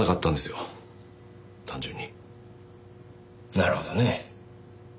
なるほどね。